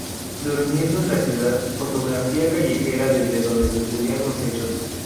Durmiendo en la Ciudad: Fotografía callejera desde donde sucedían los hechos.